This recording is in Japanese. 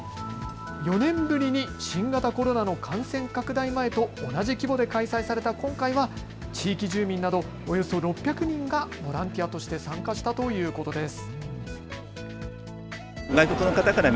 ４年ぶりに新型コロナの感染拡大前と同じ規模で開催された今回は地域住民などおよそ６００人がボランティアとして参加したということです。